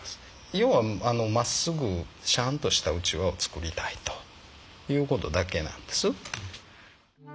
要はまっすぐしゃんとしたうちわを作りたいという事だけなんです。